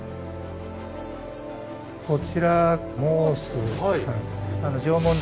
こちらモースさん。